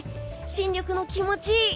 新緑の気持ちいい